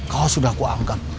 kau sudah aku anggap